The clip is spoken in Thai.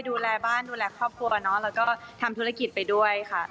ดูแลบ้านดูแลครอบครัวเนอะแล้วก็ทำธุรกิจไปด้วยค่ะ